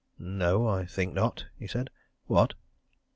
"No I think not," he said. "What?"